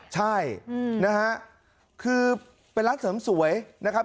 ใช่นะฮะคือเป็นร้านเสริมสวยนะครับ